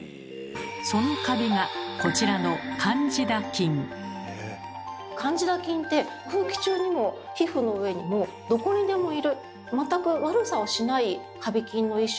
そのカビがこちらのカンジダ菌って空気中にも皮膚の上にもどこにでもいる全く悪さをしないカビ菌の一種なんですね。